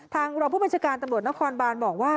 รองผู้บัญชาการตำรวจนครบานบอกว่า